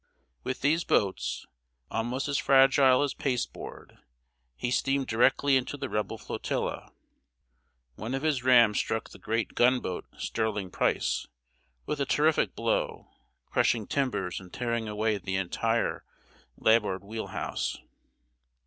With these boats, almost as fragile as pasteboard, he steamed directly into the Rebel flotilla. One of his rams struck the great gunboat Sterling Price with a terrific blow, crushing timbers and tearing away the entire larboard wheel house.